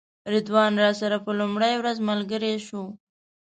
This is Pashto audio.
رضوان راسره په لومړۍ ورځ ملګری شو.